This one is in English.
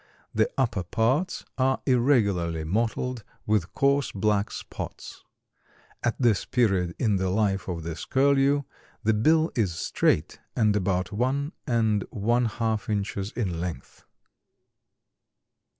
The upper parts are irregularly mottled with coarse black spots. At this period in the life of this Curlew, the bill is straight and about one and one half inches in length.